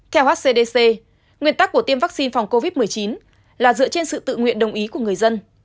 theo hcdc nguyên tắc của tiêm vaccine phòng covid một mươi chín là dựa trên sự tự nguyện đồng ý của người dân